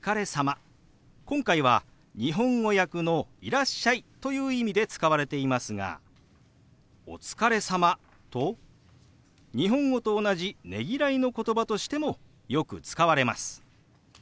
今回は日本語訳の「いらっしゃい」という意味で使われていますが「お疲れ様」と日本語と同じねぎらいのことばとしてもよく使われます。